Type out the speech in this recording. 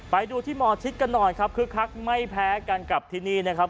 ไปดูที่หมอชิดกันหน่อยครับคึกคักไม่แพ้กันกับที่นี่นะครับ